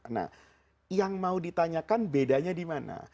nah yang mau ditanyakan bedanya dimana